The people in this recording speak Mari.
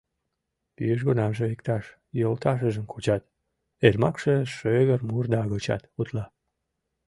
Южгунамже иктаж йолташыжым кучат — Эрмакше шыгыр мурда гычат утла.